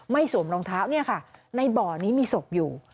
สวมรองเท้าเนี่ยค่ะในบ่อนี้มีศพอยู่